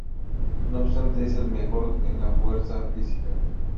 No obstante, es el mejor en la fuerza física.